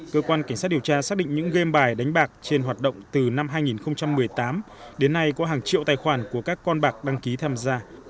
cơ quan cảnh sát điều tra xác định những game bài đánh bạc trên hoạt động từ năm hai nghìn một mươi tám đến nay có hàng triệu tài khoản của các con bạc đăng ký tham gia